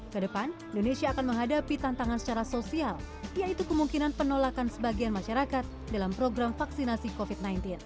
kedepan indonesia akan menghadapi tantangan secara sosial yaitu kemungkinan penolakan sebagian masyarakat dalam program vaksinasi covid sembilan belas